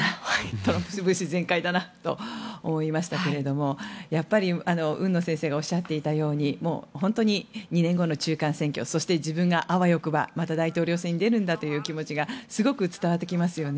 トランプ節全開だなと思いましたがやっぱり海野先生がおっしゃっていたように２年後の中間選挙そして、自分があわよくばまた大統領選に出るんだという気持ちがすごく伝わってきますよね。